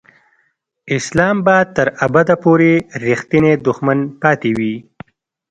اسلام به تر ابده پورې رښتینی دښمن پاتې وي.